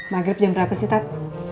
mak grip jam berapa sih tat